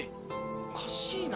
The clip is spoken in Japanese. おかしいな。